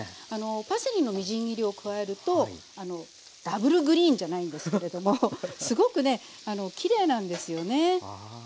パセリのみじん切りを加えるとダブルグリーンじゃないんですけれどもすごくねきれいなんですよね。